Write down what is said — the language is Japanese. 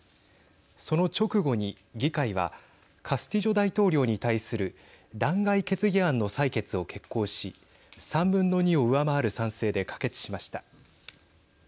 その直後に議会はカスティジョ大統領に対する弾劾決議案の採決を決行し３分の２を上回る賛成で可決しました。